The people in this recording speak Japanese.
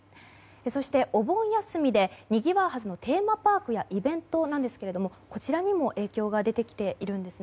そしてお盆休みでにぎわうはずのテーマパークやイベントですがこちらにも影響が出ています。